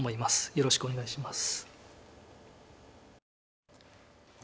よろしくお願いします。